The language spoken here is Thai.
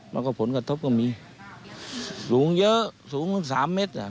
มันก็ผลกระทบก็มีสูงเยอะสูงขึ้น๓เมตรอ่ะ